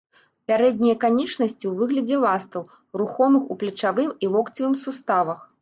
Пярэднія канечнасці ў выглядзе ластаў, рухомых у плечавым і локцевым суставах.